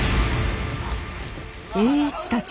栄一たち